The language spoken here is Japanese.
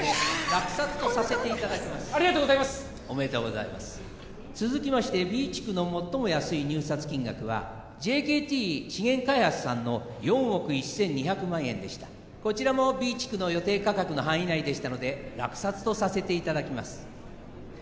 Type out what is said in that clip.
落札とさせていただきますおめでとうございますありがとうございますおめでとうございます続きましてＢ地区の最も安い入札金額はＪＫＴ資源開発さんの４億１２００万円でしたこちらもＢ地区の予定価格の範囲内でしたので落札とさせていただきます